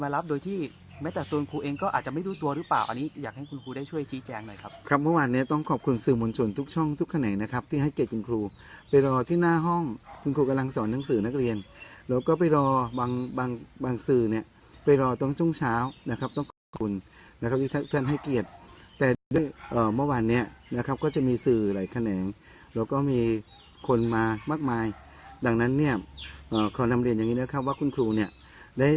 มารับโดยที่ไม่แต่ตัวครูเองก็อาจจะไม่รู้ตัวหรือเปล่าอันนี้อยากให้คุณครูได้ช่วยชี้แจ้งหน่อยครับครับเมื่อวานเนี้ยต้องขอบคุณสื่อมวลชนทุกช่องทุกคะแหน่งนะครับที่ให้เกลียดคุณครูไปรอที่หน้าห้องคุณครูกำลังสอนหนังสือนักเรียนแล้วก็ไปรอบางบางบางสื่อเนี้ยไปรอต้องต้องเช้านะครับต้องขอบคุณนะครับที่